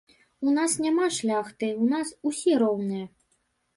У нас няма шляхты, у нас усе роўныя.